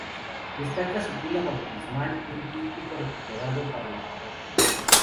Destaca su Pila Bautismal y un tríptico recuperado para la parroquia.